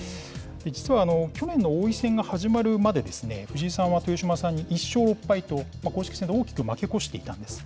実は、去年の王位戦が始まるまで、藤井さんは豊島さんにと、公式戦で大きく負け越していたんです。